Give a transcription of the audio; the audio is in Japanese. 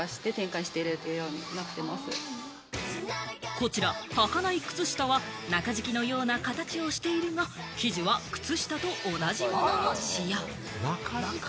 こちら、はかないくつしたは、中敷きのような形をしているが、生地は靴下と同じものを使用。